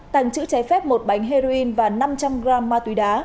tặng chữ cháy phép một bánh heroin và năm trăm linh gram ma túi đá